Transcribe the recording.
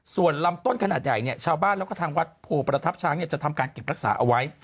ส่วนลำต้นขนาดใหญ่เนี่ยชาวบ้านแล้วก็ทางวัดโพประทับช้างจะทำการเก็บรักษาเอาไว้